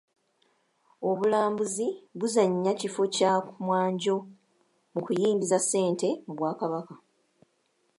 Obulambuzi buzannya kifo kya ku mwanjo mu kuyingiza ssente mu Bwakabaka.